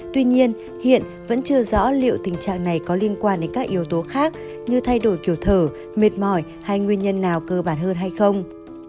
tuy nhiên hiện vẫn chưa rõ liệu tình trạng này có liên quan đến các yếu tố khác như thay đổi kiểu thở mệt mỏi hay nguyên nhân nào cơ bản hơn hay không